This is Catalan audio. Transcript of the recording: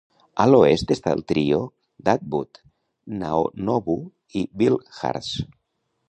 A l'oest està el trio d'Atwood, Naonobu i Bilharz.